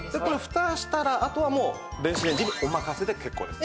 蓋したらあとはもう電子レンジにお任せで結構です。